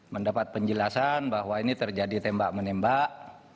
mendapat penjelasan bahwa ini terjadi tembak menembak